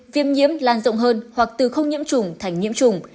viêm nhiễm lan rộng hơn hoặc từ không nhiễm trùng thành nhiễm trùng